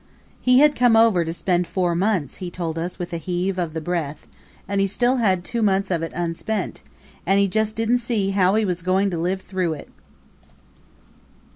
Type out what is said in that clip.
He had come over to spend four months, he told us with a heave of the breath, and he still had two months of it unspent, and he just didn't see how he was going to live through it!